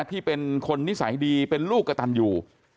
ที่เป็นคนนิสัยดีเป็นลูกกระตันอยู่